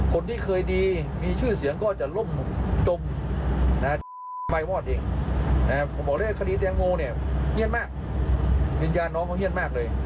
คนที่เคยดีมีชื่อเสียงก็จะหล่มจม